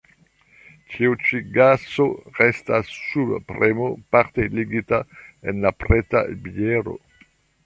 Tiu ĉi gaso restas sub premo parte ligita en la preta biero.